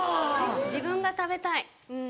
自分が食べたいうん。